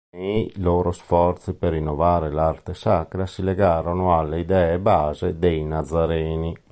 Nei loro sforzi per rinnovare l'arte sacra, si legarono alle idee-base dei Nazareni.